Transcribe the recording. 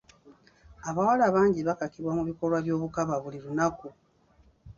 Abawala bangi bakakibwa mu bikolwa by'obukaba buli lunaku.